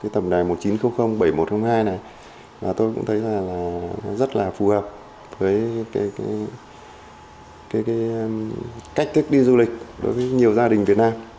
tổng đài một chín không không bảy một không hai này tôi cũng thấy rất là phù hợp với cách thức đi du lịch đối với nhiều gia đình việt nam